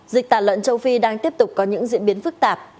dịch tả lợn châu phi đang tiếp tục có những diễn biến phức tạp